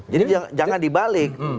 jadi jangan dibalik